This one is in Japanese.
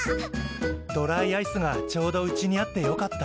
ドライアイスがちょうどうちにあってよかった。